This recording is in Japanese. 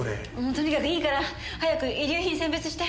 とにかくいいから早く遺留品選別して。